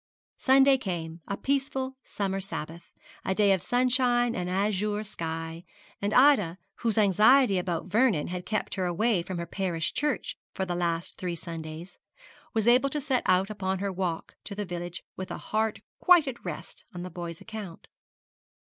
Sunday came a peaceful summer Sabbath a day of sunshine and azure sky, and Ida, whose anxiety about Vernon had kept her away from her parish church for the last three Sundays, was able to set out upon her walk to the village with a heart quite at rest on the boy's account.